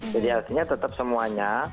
jadi artinya tetap semuanya